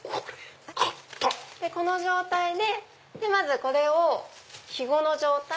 この状態でまずこれをひごの状態。